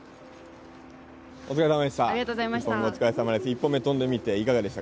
お疲れさまでした。